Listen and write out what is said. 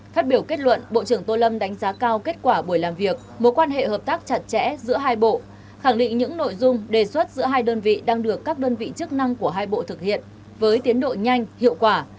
phát biểu kết luận bộ trưởng tô lâm đánh giá cao kết quả buổi làm việc mối quan hệ hợp tác chặt chẽ giữa hai bộ khẳng định những nội dung đề xuất giữa hai đơn vị đang được các đơn vị chức năng của hai bộ thực hiện với tiến độ nhanh hiệu quả